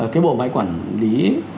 cái bộ máy quản lý